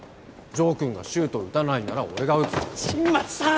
城君がシュートを打たないなら俺が打つ新町さん！